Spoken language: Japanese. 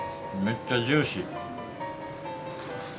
めっちゃジューシー！